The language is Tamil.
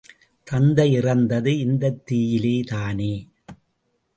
தத்தை இறந்தது இந்தத் தீயிலேதானே?